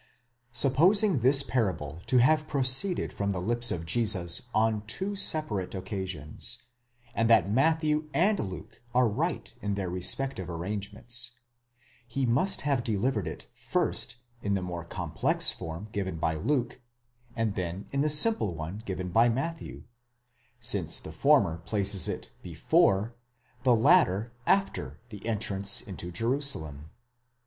Supposing this parable to have proceeded from the lips of Jesus on two separate occasions, and that Matthew and Luke are right in their respective arrangements, he must have delivered it first in the more complex form given by Luke, and then in the simple one given by Matthew;*! since the former places it before, the latter after the entrance into Jerusalem.